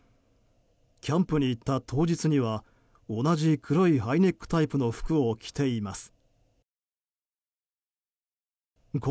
キャンプに行った当日には同じ黒いハイネックタイプの服を着ています。